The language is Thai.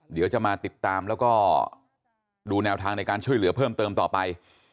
เดี๋ยวจะมาติดตามแล้วก็ดูแนวทางในการช่วยเหลือเพิ่มเติมต่อไป